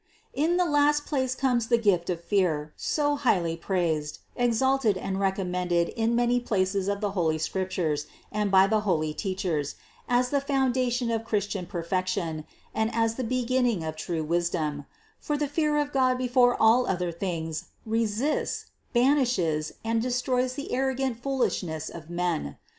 610. In the last place comes the gift of fear, so highly praised, exalted and recommended in many places of the holy Scriptures and by the holy teachers, as the founda tion of Christian perfection and as the beginning of true wisdom; for the fear of God before all other things re sists, banishes and destroys the arrogant foolishness of men.